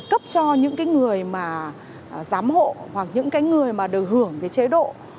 cấp cho những người giám hộ hoặc những người đều hưởng chế độ